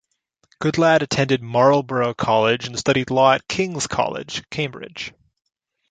Goodlad attended Marlborough College and studied law at King's College, Cambridge.